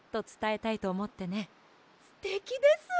すてきです！